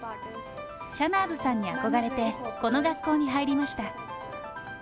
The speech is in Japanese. シャナーズさんに憧れてこの学校に入りました。